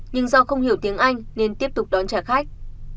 nhưng do không hiểu tiếng anh nên tiếp tục đón trả khách